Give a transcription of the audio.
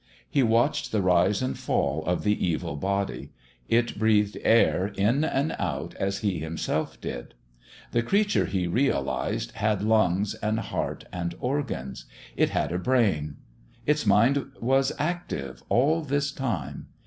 He watched the rise and fall of the evil body; it breathed air in and out as he himself did. The creature, he realised, had lungs and heart and organs. It had a brain! Its mind was active all this time.